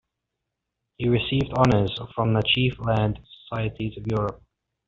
He received honours from the chief learned societies of Europe.